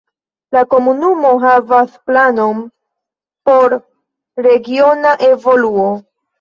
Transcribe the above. La komunumo havas planon por regiona evoluo.